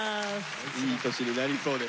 いい年になりそうです。